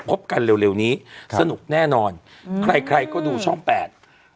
พบกันเร็วนี้สนุกแน่นอนใครก็ดูช่องแปด